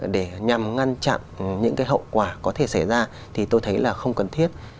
để nhằm ngăn chặn những cái hậu quả có thể xảy ra thì tôi thấy là không cần thiết